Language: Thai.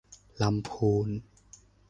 ลำพูน